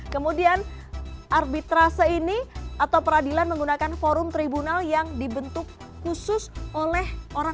kemudian arbitrase ini atau peradilan menggunakan forum tribunal yang dibentuk khusus oleh orang